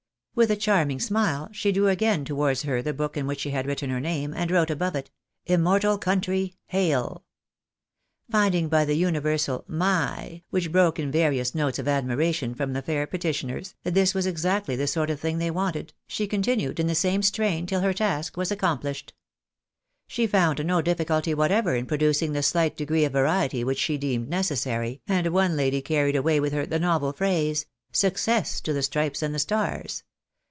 With a charming smile, she drew again towards her the book in which she had written her name, and wrote above it, Immortal country, hail ! Finding by the universal " My !" which broke in various notes of admiration from the fair petitioners, that this was exactly the sort of thing they wanted, she continued in the same strain till her task was accomplished. She found no difSculty whatever in producing the shght degree of variety which she deemed necessary, and one lady carried away with her the novel phrase — Success to the Stripes and the Stars